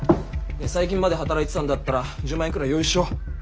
最近まで働いてたんだったら１０万円くらい余裕っしょ？